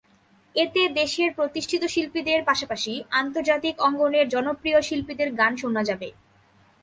এতে দেশের প্রতিষ্ঠিত শিল্পীদের পাশাপাশি আন্তর্জাতিক অঙ্গনের জনপ্রিয় শিল্পীদের গান শোনা যাবে।